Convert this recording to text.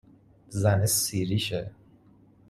زنه سیریشه